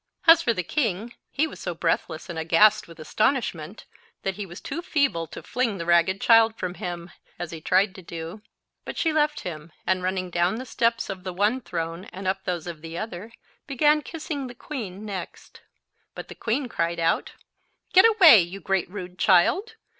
As for the king, he was so breathless and aghast with astonishment, that he was too feeble to fling the ragged child from him, as he tried to do. But she left him, and running down the steps of the one throne and up those of the other, began kissing the queen next. But the queen cried out,— "Get away, you great rude child!